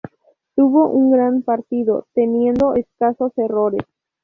Tuvo un gran partido, teniendo escasos errores.